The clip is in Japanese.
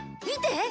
見て！